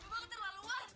bapak terlalu luar